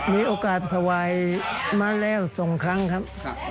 มีโอกาสถวายมาแล้ว๒ครั้งครับ